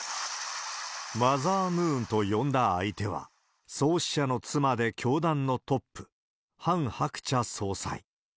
マザームーンと呼んだ相手は、創始者の妻で教団のトップ、ハン・ハクチャ総裁。